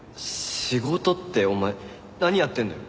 仕事ってお前何やってんの？